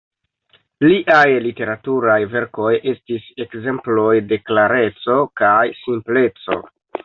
Liaj literaturaj verkoj estis ekzemploj de klareco kaj simpleco.